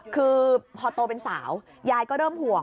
คือพอโตเป็นสาวยายก็เริ่มห่วง